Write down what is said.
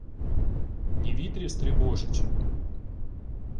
Ні вітрів-стрибожичів